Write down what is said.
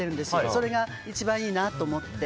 それが一番いいなと思って。